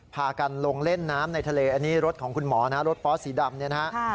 พากันลงเล่นน้ำในทะเลอันนี้รถของคุณหมอนะรถปอสสีดำเนี่ยนะฮะ